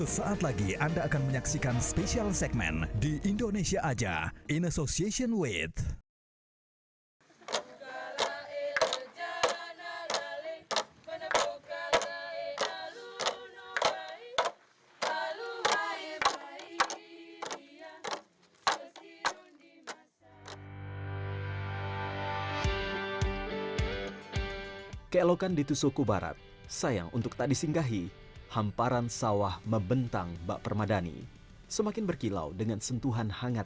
sampai jumpa di video selanjutnya